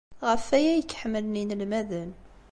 Ɣef waya ay k-ḥemmlen yinelmaden.